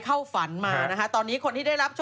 ปลาหมึกแท้เต่าทองอร่อยทั้งชนิดเส้นบดเต็มตัว